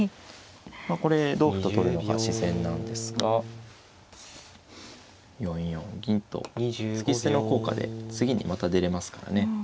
まあこれ同歩と取るのが自然なんですが４四銀と突き捨ての効果で次にまた出れますからね。